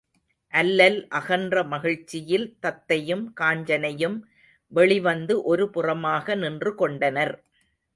அல்லல் அகன்ற மகிழ்ச்சியில் தத்தையும் காஞ்சனையும் வெளிவந்து ஒருபுறமாக நின்று கொண்டனர்.